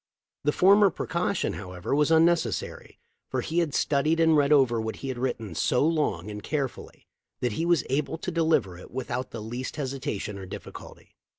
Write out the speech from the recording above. The former precaution, however, was unnecessary, for he had studied and read over what he had written so long and carefully that he was able to deliver it with out the least hesitation or difficulty.